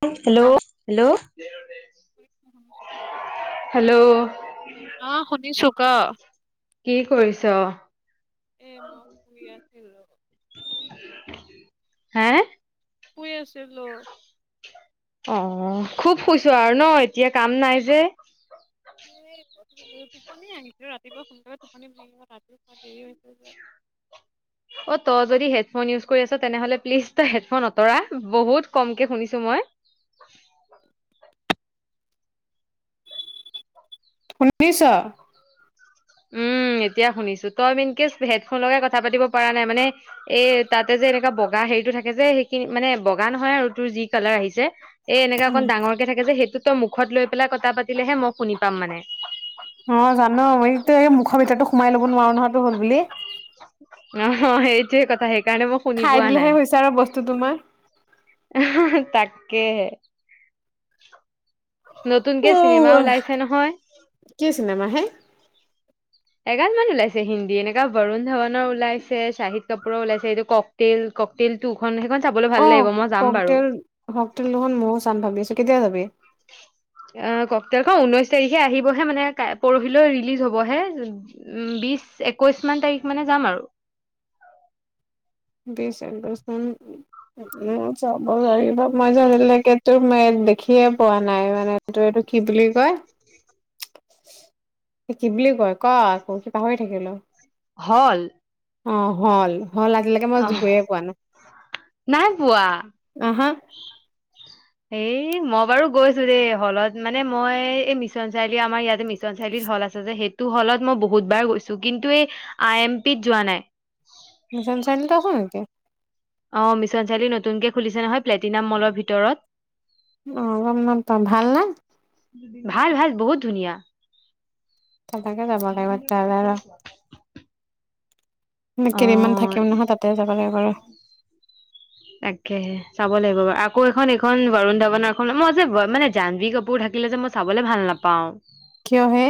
Hello hello hello অ শুনিছো ক কি কৰিছ এ মই শুই আছিলো হা শুই আছিলো অ খুব শুইছো আৰু ন এতিয়া কাম নাই যে এ টোপনি আহি গল ৰাতিপুৱা সোনকালে টোপনি ভাগিব ৰাতিও হোৱা দেৰি হৈছে যে অ তই যদি হেডফোন ইউজ কৰি আছ তেনেহলে প্লিজ তই হেডফোন আঁতৰা বহুত কমকে শুনিছো মই ঊনৈছ উম এতিয়া শুনিছো তই মন কেছ হেডফোন লগাই কথা পাতিব পৰা নাই মানে এই তাতে যে এনেকুৱা বগা হেৰিটো থাকে যে সেইখিনি মানে বগা নহয় আৰু তোৰ যি কালাৰ আহিছে এ এনেকা অকণ ডাঙৰকে থাকে যে সেইটো ত মুখত লৈ পেলাই কথা পাতিলেহে মই শুনি পাম মানে অ জানো মই। মুখৰ ভিতৰতো সোমাই ল'ব নোৱাৰো নহয়ো হ'ল বুলি। যেই কথাে। সকাৰণে মই শুনি খাই পোৱা দিলেহে নাই হৈছে আৰু বস্তু তোমাৰ তাকেহে। অ [unintelligible] নতুনকে চিনেমা ওলাইছে নহয়। কি চিনেমা হে এগান মান ওলাইছে, হিন্দী এনেকা বৰুণ ধাৱাননৰ ওলাইছে, শাহিদ কাপুৰৰ ওলাইছে এইটো ককটেল ককটেল টোখন সেইখন। চাবলৈ ভাল অ লাগিব মই যাম কক বাৰু তেল কক তেল দুখোন ময়ো চাম ভাবি আছো কেতিয়া যাবি। আহ ককতেল খন ঊনৈশ তাৰিখে আহিবহে মানে পৰহিলৈ ৰিলিজ হবহে উ বিশ একৈশ মান তাৰিখ মানে যাম আৰু। বিছ একৈছ মান। উম চাব লাগিব মজাৰ লাগিব। এইবিলাকে তোৰ মই দেখিয়ে পোৱা নাই। মানে তোৰ এইটো কি বুলি কয় মুমহ কি বুলি কয় ক আকৌ কি পাহৰি থাকিলো। হল। অ হল হল আ। অহ নাই পোৱা আহা এই। এ মই বাৰু গৈছো দেই। হলত মানে মই এই মিছন চাৰিআলি আমাৰ ইয়াতে মিছন চাৰিলিত মই বাৰু গৈছো দেই। হলত মানে মই এই মিছন চাৰিআলিত আমাৰ ইয়াতে মিছন চাৰিআলিত হল আছে যে সেইটো হলত মই বহুত বাৰ গৈছো কিন্তু এই আই এম পিত যোৱা নাই। মিছন চাৰিআলিত আছে নেকি। তো। অ মিছন চাৰিআিলিত নতুনকে খুলিছে নহয় প্লেটিনাম মলৰ ভিতৰত। অ গম নাপাম ভাল না। ভাল ভাল বহুত ধুনীয়া। ত তাকে যাবা লাগিব চাই লও ৰ। মানে অ কেইদিমান থাকিম নহয় তাতে যাবা লাগিব ৰ। তাকেহে চাব লাগিব বাৰু আকৌ এখন এইখন বৰুণ ধাৱনাৰখন মই যে মানে জান্ভী কাপোৰ থাকিলে যে মই চাবলৈ ভাল নাপাওঁ। কিয় হে?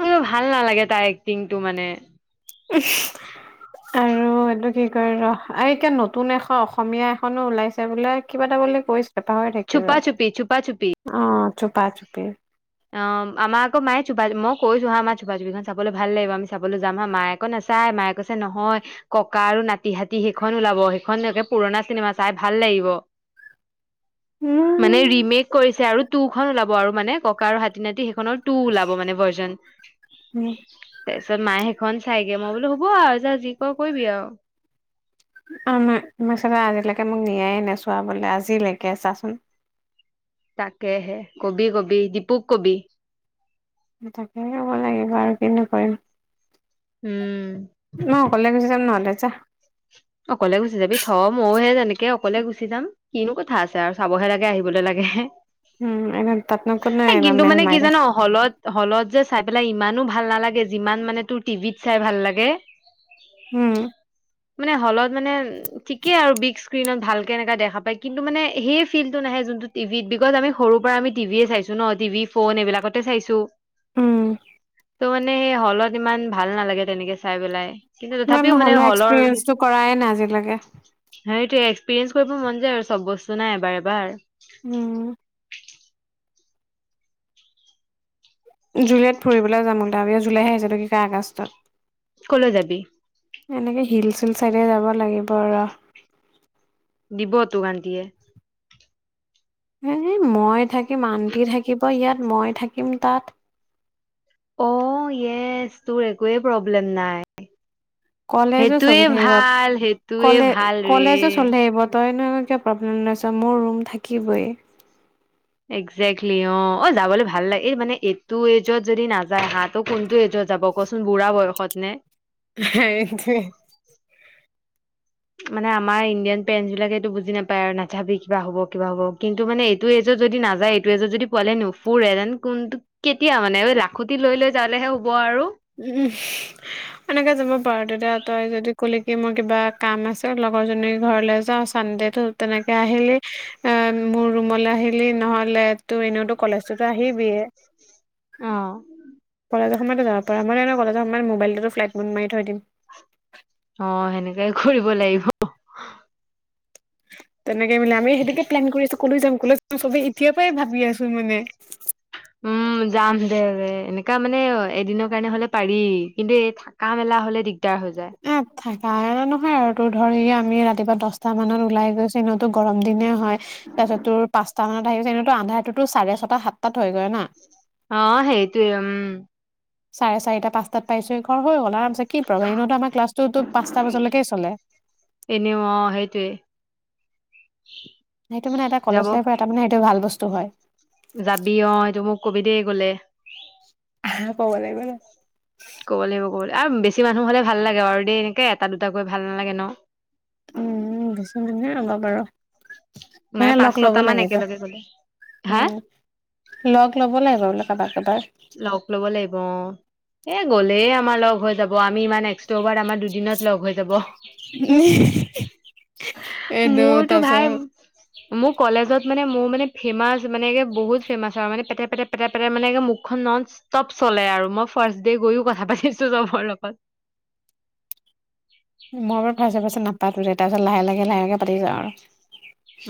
মোৰ ভাল নালাগে তাই এক্টিংটো মানে। উফ আৰু এইটো কি কয় ৰ আৰু এতিয়া নতুন এখন অসমীয়া এখনো ওলাইছে বোলে কিবা এটা বুলি কৈছে। টা হৈ ঢেকিব চুপা চুপি চুপা চুপি অ। চুপা চুপি। অ আমাৰ আক মায়ে চা মই কৈছো হা আমাৰ চোপা চবিখন চাবলৈ ভাল লাগিব। আমি চাবলৈ যাম হা মায়েক নাচায় মায়ে কৈছে নহয় ককা আৰু নাতিহতি সেইখন ওলাব সেইখনে পুৰণা চিনেমা চাই ভাল লাগিব। মানে উম ৰিমেক কৰিছে আৰু। টু খন ওলাব আৰু মানে। ককা আৰু হাতী নাতি। খনৰ টু ওলাব মানে ভাৰ্জন। তাৰপিছত মাহে সেইখন চাইগে মই বোলো হ'ব আৰু যা যি কৰ কৰিবি আৰু। আমাৰ মমাৰ আজিলৈকে মোক নিয়াইে নেচোৱা বোলে আজিলৈকে চাচোন। তাকেহে কবি কবি দীপুক কবি। তাকেই ক'ব লাগিব আৰু কিনো কৰিম। উম। মই অকলে গুচি যাম নহ'লে। যাহ। অকলে গুচি যাবি থ মও যেনেকে অকলে গুচি যাম কিনো কথা আছে আৰু চাবহে লাগে আহিবলৈ লাগে। উম একদম তাতনো কোনে এ একদম কিন্তু মেল মানে কি মাৰে জান হলত হলত যে চাই পেলাক ইমানো ভাল নালাগে যিমান মানে তোৰ টিভিত চাই ভাল লাগে। উম মানে হলত। মানে ঠিকে আৰু বি স্ক্ৰীণত ভালকে এনেকা দেখা পায় কিন্তু মানে সেই ফিল্ডটো নাহে যোনটো টিভিত বিকজ আমি সৰুৰ পৰা আমি টিভিয়ে চাইছো ন টিভি ফোন এইবিলাকতে চাইছো। উম। টো মানে সেই হলত ইমান ভাল নালাগে। তেনেকে চাই পেলাই কিন্তু তথাপিও মানে হলৰ। কৰায় নাই আজিলৈকে। সেইটোে এক্সপিৰীয়েঞ্চ কৰিব মন যায় আৰু চব বস্তু নাই এবাৰ এবাৰ। উম। জুলাইত ফুৰিবলৈ যাম উলাবি অ জুলাইহে আহিছিলো কি ক আগষ্টত। কলৈ যাবি? এনেকে হিল চিল চাইডে যাব লাগিব আৰু। দিব তোক আন্তিয়ে? এ মই থাকে, মান্তি থাকিব। তই ইয়াত মই থাকিম তাত। অ য়েচ তোৰ একোৱে প্ৰব্লেম নাই। কলেজো সেইটোৱে চলি থাকিব ভাল সেইটোৱে কলে ভাল কলেজো ৰে চলি থাকিব তই। [unintelligible] কা প্ৰব্লেম নাইছ মোৰ ৰুম থাকিবই। একজেক্টলি অ অ যাবলৈ ভাল লাগে এই মানে এইটো এজত যদি নাযায় হাঁহটো কোনটো এজত যাব কচোন বুঢ়া বয়সত নে? সেইটোৱে। মানে আমাৰ ইণ্ডিয়ান পেৰেন্টচ বিলাকে এইটো বুজি নাপায় আৰু নাযাবি কিবা হ'ব কিবা হ'ব কিন্তু মানে এইটো এজত যদি নাযায় এইটো এজত যদি পোৱালে নুফুুৰ যেন কোনটো কেতিয়া মানে লাখুটি লৈ লৈ যালেহে হ'ব আৰু। উম এনেকে যাব পাৰ তেতিয়া তই যদি কলি কি মোৰ কিবা কাম আছে লগৰজনী ঘৰলে যাওঁ চানডেতো তেনেকে আহিলি এ মোৰ ৰুমলে আহিলি নহ'লে তোৰ এনেওতো কলেজতো আহি বিয়ে। আহ সময় য পৰা ম কলেজৰমান মোবাইলটোতো ফ্লাইট মড মাৰি থৈ দিম। অ সেনেকাই কৰিব লাগিব। তেনে আম সেইটোকে প্লেন কৰি আছো। ক'লৈ যাম ক'লৈ যাম চবেই এতিয়াৰ পৰাই ভাবি আছো মানে। উম যাম দে দে এনেকা মানে এদিনৰ কাৰণে হলে পাৰি কিন্তু এই থকা মেলা হলে দিগদ। এ থাকা আনে নহয় আৰু তোৰ ধৰি আমি ৰাতিপুৱা দহটা মানত ওলাই গৈছ এ ইনেওতো গৰম দিনে হয় তাৰপিছত তোৰ পাঁচটা মানত আহি গৈছে এনেতোন্ধটোতো চাৰে ছটা সাতটাত হৈ গৈ না অ সেইটোৱে উম চাৰে চাৰিটা পাঁচটাত পাইছো ঘৰ হৈ গ'ল আৰু কিতো আমাৰ ক্লাছটো পাঁচটা বজালৈকে চলে এনেও অ সেইটোয়ে সেইটো মানে এটা কলেজ যাব লাইফ এটো মানে সেইটো ভাল বস্তু [unintelligible] হয় যাবি অ এইটো মোক কবি দেই গলে হ কব লাগিব ন ক'ব লাগিব ক'ব আৰু বেছি মানুহ হলে ভাল লাগে বাৰু দেই এনেকে এটা দুটাাকৈ ভাল নালাগে ন উম উ আব বাৰ হে মানে পাঁচ লগ ল'ব ছটা মান লাগিবা একেলগে গ'লে হা উম লগ ল'ব লাগিব বো কাৰোবাক কাৰোবাৰ লগ ল'ব লাগিব অ এ গলেই আমাৰ লগ হৈ যাব আমি ইমান এক্সব আমাৰ দুদিনত লগ হৈ যাব উ এইদ মোৰতো তচ ভাই মোৰ কলেজত মানে মোৰ মানে ফেমাচ মানেে বহুত ফেমাছ আৰু মানে পে পেট পেট পেট মানেে মোক খন নন ষ্টপ চলে আৰু মই ফাৰ্ষ্ট ডে গৈয়ও কথা পাতিছো চবৰ লগত পা উঠে তাৰ পাছত লাহে লাহে লাহে লকে পাতি যা আৰু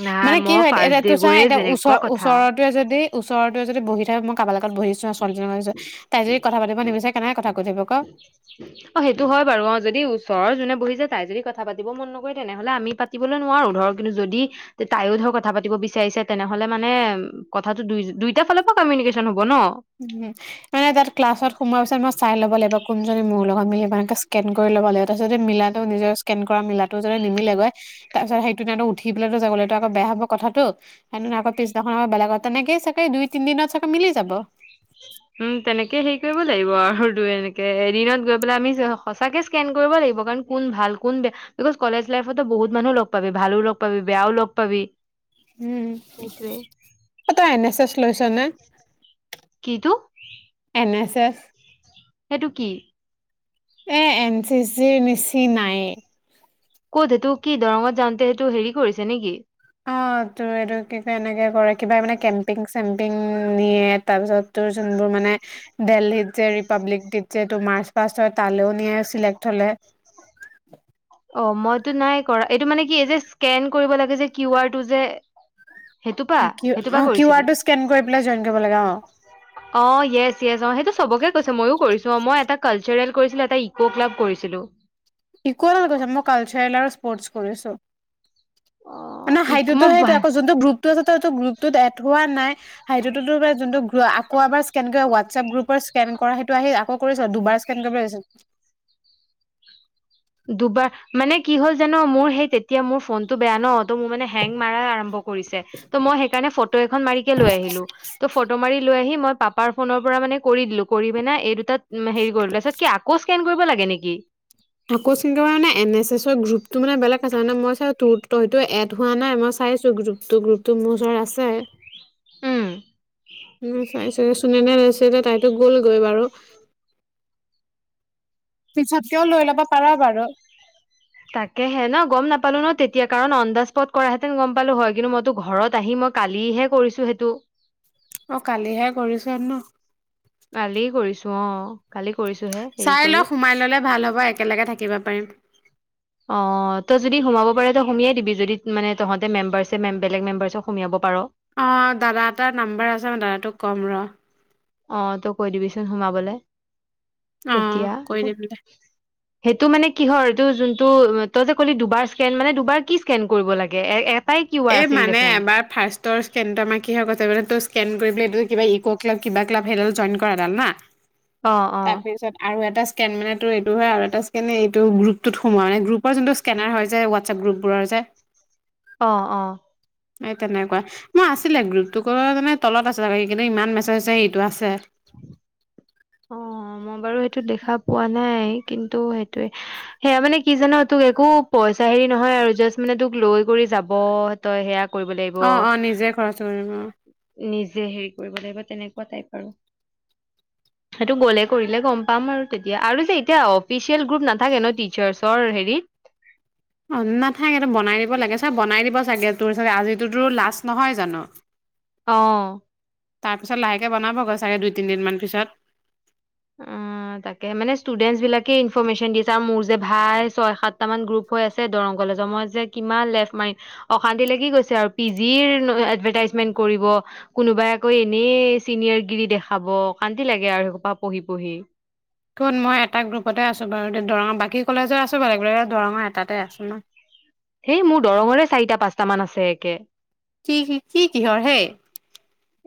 নাই মানে কি মই হয় ফাৰ্ষ্ট ডে এতিয়াটো চাই গৈয়ে এতিয়া ওচ যেনেকুৱা কথা ওচৰৰতোৱে যদি ওচৰতে যদি বহিথাক মই কাব লাগে বহিছো ছোৱালীজনছ তাই যদি [unintelligible] কথা পাতিব নিবিচাৰে কেনেকে কথা পাতিব অ সেইটো হয় বাৰু অ যদি ওচৰৰ যোনে তাই যদি কথা পাতিব মন নকৰে তেনেহলে আমি পাতিলৈ নোৱাৰো ধৰ কিন্তু যদি তাইও ধৰ কথা পাতি বিচাৰিছে তেনেহলে মানে কটোই দুই ফালৰ পৰা কিউনিকন হ উম মানে তাৰ ক্লাছত সোমাই মই চাই ল'ব লাগিব কোনজনী মোৰ লগত মিলি মকে স্কেন [unintelligible] কৰি ল'ব লাগে তাপিছত মিলাটো নিজেও স্কেন কৰা মিলাটো যতে নিমিলেগৈ তাৰ পিছত সেইটো তে উঠি [unintelligible] পেলেতো [unintelligible] যাবলৈতো আকৌ হব কথাটো সেইদি আকৌ পিদিনানৰ বেলেগৰ তেনেকে চাগে দুই তিনি দিনত চাগে মিলি যাব উম তেনেকে হেৰি কৰিব লাগিব আৰু এনেকে এদিনত গৈ পেলাই আমি সঁচাকে স্কেন কৰিব লাগিব কাৰণ কোন ভাল কোন বেয়া বিকজ কলেজ লাইফতো বহুত মানুহ লগ পাবি ভালো লগ পাবি বেয়াও লগ পাবি উম সেইটোৱে ত তই এন এছ এছ লৈছ নে কিটো এন এছ এছ সেইটো কি এ এন চি চিৰ মেচি নাই কত সেইটো কি দৰঙত যাওঁতে সেইটো হেৰি কৰিছে নেকি অ তোৰ এইটো কি কয় এনেকে কৰে কিবামখনে কেম্পিং চেম্পিং নিয়ে তাৰ পিছত ত যোনবোৰ মানে দেলহিত যে ৰিপাব্লিক ড যে তোৰ মাৰ্চ পাষ্ট হয় তালৈও নিয়ে চিলেক্ট হলে অ মইতো নাই কৰা এইটো মানে কি এই যে স্কেন কৰিব লাগে যে কিউ আৰটো যে সেইটো পা অ সেইটো পা কিউ কৰিছিলি আৰটো স্কেন কৰি পেলাই জইন কৰিব লাগে অ। অ য়েচ য়েছ অ সেই চবকে কৈছে ময়ো কৰিছো। ত' মই এটা কালচাৰেল কৰিছিলো এটা ইকো ক্লাব কৰিছিলো। ইক ক্লাবত কৰিছ মই কালচাৰেল আৰু স্পৰ্টচ কৰিছো। অ ই সেইটো মই সেইটোবে ভা- আকৌ জোনটো গ্ৰুপটো আছে টো তই টো গ্ৰুপ টো এড হোৱা নাই সেইটোটো বোলে জোনটো আকৌ এবাৰ ইস্ক্ৰেন কৰি হোৱাটচপ গ্ৰুপৰ ইছক্ৰেন কৰা হেইটো আকৌ কৰিছ দুবাৰ ইচক্ৰেন কৰিব দিছে। দুবাৰ মানে কি হ'ল জান মোৰ সেই তেতিয়া মোৰ ফোনটো বেয়া ন ত মোৰ মানে হেং মাৰা আৰম্ভ কৰে। কৰিছে ত মই সেইকাৰণে ফটো এখন মাৰিকে লৈ আহিলোঁ ত ফটো মাৰি লৈ আহি মই পাপাৰ ফোনৰ পৰা মানে কৰি দিলো কৰি পেনাই এই দুটাত উ হেৰি কৰিলোঁ তাৰ পিছত কি আকৌ স্ক্ৰেন কৰিব লাগে নেকি? আকৌ স্ক্ৰেন কৰিব লাগে মানে এন এছ এছৰ গ্ৰুপটো মানে বেলেগ আছে মানে মই চাই তোৰ ততো এড হোৱা নাই মই চাইছো গ্ৰুপটো গ্ৰুপটো মোৰ ওচৰত আছে। উম উম চাই চুনেনে লছে তাইতো গ'লগৈ বাৰু পিছত কিয় লৈ ল। পাৰ বাৰু। তাকেহে ন গম নাপালো ন তেতিয়া কাৰণ অন দা স্পট কৰাহেতেন গম পালো হয় কিন্তু মইতো ঘৰত আহি মই কালিহে কৰিছো। সেইটো অ কালিহে কৰিছ ন? কালীয়ে কৰিছো অ। কালি কৰিছোহে হেৰি চাই কৰি লও সোমাই ললে ভাল হ'ব। এক একেলগে থাকিব পাৰিম। অ ত' যদি সোমাব পাৰে ত সোমিয়াই দিবি যদি মানে তহঁতে মেম্বাৰছে বেলেগ মেম্বাৰ্চ সোমিয়াব পাৰ। অ দাদা এটাৰ নাম্বাৰ আছে মই দাদাটোক ক'ম ৰ। অ তই কৈ দিবিচোন সোমাবলৈ। অ কৈ দিম দে। সেইটো মানে কিহৰ এইটো যোনটো তই যে ক'লি দুবাৰ স্ক্ৰেন মানে দুবাৰ কি স্ক্ৰেন কৰিব লাগে এ এ এ মানে এবাৰ ফাষ্টৰ স্ক্ৰেন টো মানে আমাৰ কি হয় গৈছে তই স্ক্ৰেন কৰিবলে কিবা ইকো ক্লাব কিবা ক্লাব সেইডাল জইন কৰাডাল না। অ অ তাৰপিছত আৰু এটা, স্ক্ৰেন মানেটো এইটো হয় আৰু এটা স্ক্ৰেন এইটো গ্ৰুপটোত সোমোৱা মানে গ্ৰুপৰ যোনটো স্কেনাৰ হয় যে হোৱাটছএপ গ্ৰুপবোৰৰ যে অ অ। এই তেনেকুৱা মই আছিলে গ্ৰুপটো ক মানে তলত আছিল স কিন্তু ইমান মেছেজ আছে ইটো আছে। অ মই বাৰু সেইটো দেখা পোৱা নাই কিন্তু সেইটোয়ে সেয়া মানে কি জান তোক একো পইচা হেৰি নহয় আৰু জাষ্ট মানে তোক লৈ কৰি যাব তই সেয়া। কৰিব লাগিব অ অ নিজে খৰচ কৰিম আৰু। যে হেৰি কৰিব লাগিব তেনেকুৱা টাইপ আৰু। সেইটো গ'লে কৰিলে গম পাম আৰু তেতিয়া আৰু যে এতিয়া অফিচিয়েল গ্ৰুপ নাথাকে ন টিচাৰ্চৰ হেৰিত। অ নাথাকেটো বনাই দিব লাগে চাৰ বনাই দিব চাগে তোৰ আজিটোতো লাষ্ট নহয় জানো। অ। তাৰ পিছত লাহেকে বনাবগৈ চাগে দুই তিনদিনমান পিছত অ তাকে মানে ষ্টুডেন্টছ বিলাকে ইনফৰমেচন দিছে আৰু মোৰ যে ভাই ছয় সাতটা মান গ্ৰুপ হৈ আছে দৰং কলেজৰ মই যে কিমান লেফ মাৰিম অশান্তি লাগি গৈছে আৰু পি জিৰ এডভাৰটাইজমেন্ট কৰিব কোনোবাই আকৌ এনেই চিনিয়ৰ গিৰি দেখাব অশান্তি লাগে আৰু পঢ়ি পঢ়ি কোন মই এটা গ্ৰুপতে আছো বাৰু দে দৰঙৰ বাকী কলেজৰ আছো বাৰু বেলেগ বেগ দৰঙৰ এটাতে আছোঁ সেই মোৰ দৰঙৰে চাৰিটা পাঁচটা মান আছে একে কি, কি, কি কিহৰ হেই?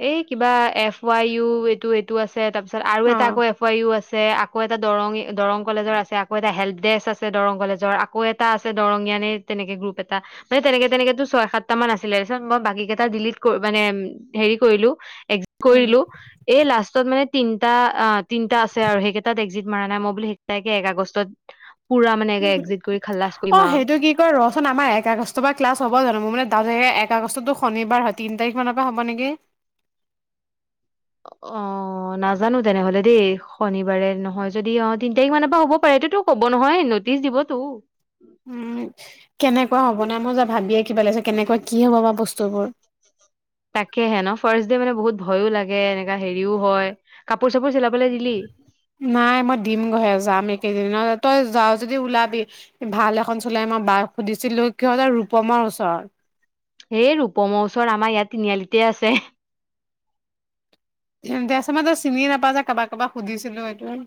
এই কিবা এফ ৱাই ইউ এইটো-এইটো আছে। এ তাৰ পিছত আৰু অ এটা আকৌ এফ আই ইউ আছে। আছে আকৌ এটা দৰং-দৰং কলেজৰ আছে, আকৌ এটা হেল্প ডেস্ক আছে দৰং কলেজৰ, আকৌ এটা আছে দৰংয়িয়ান এ তেনেকে গ্ৰুপ এটা মানে তেনেকে তেনেকেটো ছয় সাতটা মান আছিলে। তাৰপিছত মই বাকি কেইটা ডিলিট ক মানে হেৰি কৰিলো এক্সিট কৰি উম দিলোঁ, এই লাষ্ট ত মানে তিনিটা অ তিনিটা আছে আৰু সেইকেইটাত একজিট মৰা নাই মই বুলো সেইকেইটাকে এক আগষ্টত পুৰা মানে উ এক্সিট কৰি খালাচ অ কৰিম আৰু সেইটো কি কয় ৰচোন আমাৰ এক আগষ্ট পা ক্লাছ হ'ব জানো? মোৰ মানে দাউট লাগিছে এক আগষ্টতটো শনিবাৰ হয় তিন তাৰিখ মানৰ পৰা হ'ব নেকি? অ নাজানো তেনেহলে দেই শনিবাৰে নহয় যদি অ তিন তাৰিখ মানৰ পৰা হব পাৰে এইটোতো কব নহয় নটিচ দিবতো উম', কেনেকোৱা হ'ব নাই, মই যে ভাবিয়ে কিবা লাগিছে, কেনেকোৱা কি হব বা বস্তু জবৰ তাকেহে ন? ফাৰ্ষ্টডে মানে বহুত ভয়ো লাগে এনেকা হেৰিও হয় কাপোৰ চাপোৰ চিলাব নাই মই দিম গৈহে যাম এইকেইদিন দিনতে তই যাৱ যদি ওলাবি ভাল এখন চুলাই মই বাক সুধিছিলো সিহঁতৰ ৰূপমৰ ওচৰত এই ৰূপমৰ ওচৰত আমাৰ ইয়াত তিনিআলিতে আছে দেচোন তই চিনি নাপাওঁ যে কাবাক কাবাক সুধিছিলো এইটোৱে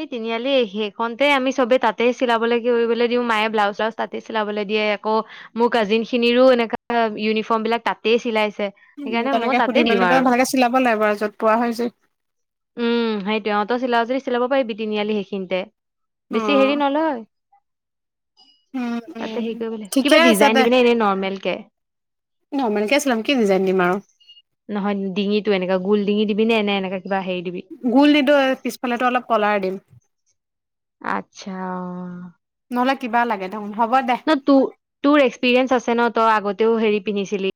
এই তিনিআলি সেইখনতে আমি চবে তাতে চিলাবলৈ কৰিবলৈ দিওঁ মায়ে ব্লাউজ-শ্লাউজ তাতেই চিলাবলৈ দিয়ে, আকৌ মোৰ কাজিন খিনিৰো এনেকা ইউনিফৰ্ম বিলাক তাতেই চিলাইছে উম', সেইকাৰণে মই তেনেকে তাতে সুধি দিম মেলিলৈ আৰু ভালকে চিলাব লাগিব আৰু য'ত পোৱা হয় যে উম, সেইটোৱে অ', তই চিলাও যদি চিলাব পাৰিবি তিনিআলি সেইখিনিতে অ বেছি হেৰি নলয়, উম তাতে উম হে কৰিব। ঠিকে কিবা আছে ডিজাইন দে দিবিনে এনে নৰ্মেল কে? নৰ্মেলকে চিলাম কি ডিজাইন দিম আৰু নহয় ডিঙিটো এনেকা গোল ডিঙি দিবি নে এনে এনেকা কিবা হেৰি দিবি গোল নিদো পিছফালেতো অলপ কলাৰ দিম। আটচ্ছা অ নহলে কিবা লাগে ন ন তো-তোৰ এক্সপিৰিয়েন্স আছে নহয় তই আগতেও হেৰি পিন্ধিছিলি